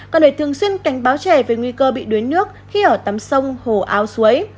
cần phải thường xuyên cảnh báo trẻ về nguy cơ bị đuối nước khi ở tắm sông hồ ao suối